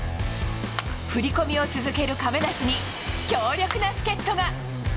振り込みを続ける亀梨に、強力な助っとが。